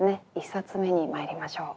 １冊目にまいりましょう。